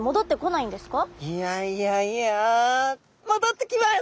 いやいやいや戻ってきます！